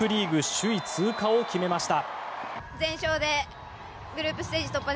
首位通過を決めました。